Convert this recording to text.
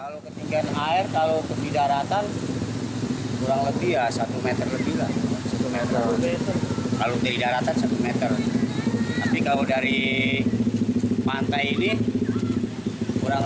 lebih dari dua tiga meteran